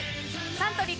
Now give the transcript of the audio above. サントリーから